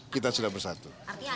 kita sudah bersatu